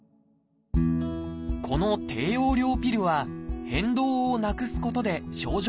この低用量ピルは変動をなくすことで症状を改善します。